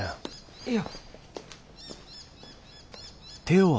いや。